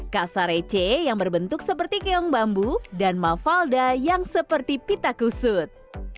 kasarece yang berbentuk seperti keong bambu dan mavalda yang seperti pita kusut